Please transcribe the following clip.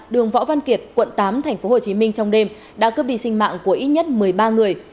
đường võ văn kiệt quận tám tp hcm trong đêm đã cướp đi sinh mạng của ít nhất một mươi ba người